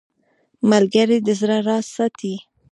ملګری د زړه راز ساتي